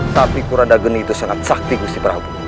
tapi kurandagini itu sangat sakti gusti prabu